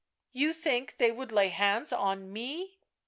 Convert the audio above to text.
" You think they would lay hands on me